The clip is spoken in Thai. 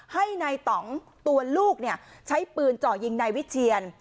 ให้นายตำตัวลูกเนี่ยใช้ปืนเจาะยิงในวิเชียร์